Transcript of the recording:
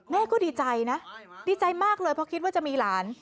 แม่ก็ดีใจนะดีใจมากเลยเพราะคิดว่าจะมีหลาน